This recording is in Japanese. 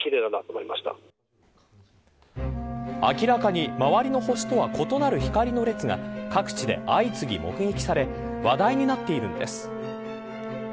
明らかに周りの星とは異なる光の列が各地で相次ぎ目撃され話題になっているんです。